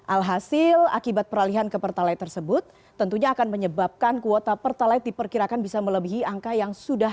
alhasil akibat peralihan ke pertalite tersebut tentunya akan menyebabkan kuota pertalite diperkirakan bisa melebihi angka yang sudah